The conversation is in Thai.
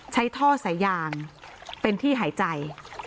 ใช้ท่อสายยางเป็นที่หายใจ